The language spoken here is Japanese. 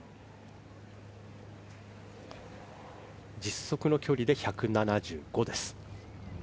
実測の距離で１７５です。